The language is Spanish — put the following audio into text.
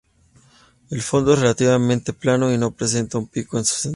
El fondo es relativamente plano y no presenta un pico en su centro.